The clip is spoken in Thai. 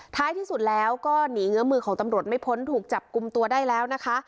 ท้ายที่สุดแล้วก็หนีเงื้อมือของตำรวจไม่พ้นถูกจับกลุ่มตัวได้แล้วนะคะ